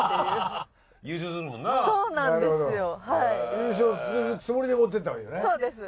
優勝するつもりで持っていったほうがいいよね。